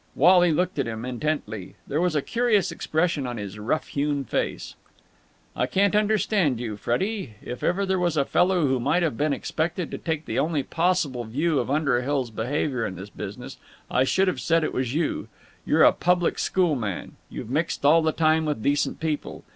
Wally looked at him intently. There was a curious expression on his rough hewn face. "I can't understand you, Freddie. If ever there was a fellow who might have been expected to take the only possible view of Underhill's behaviour in this business, I should have said it was you. You're a public school man. You've mixed all the time with decent people.